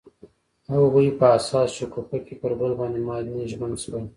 هغوی په حساس شګوفه کې پر بل باندې ژمن شول.